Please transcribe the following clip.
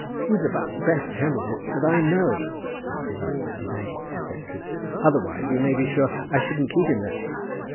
"He's about the best hand at it that I know," said Sir Raffle, one day, to the secretary; "otherwise you may be sure I shouldn't keep him there."